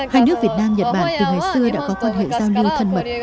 hai nước việt nam nhật bản từ ngày xưa đã có quan hệ giao lưu thân mật